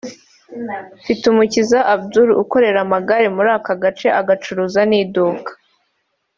Mfitumukiza Abdu ukorera amagare muri ako gace agacuruza n’iduka